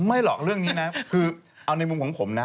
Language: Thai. ไม่หรอกเรื่องนี้นะคือเอาในมุมของผมนะ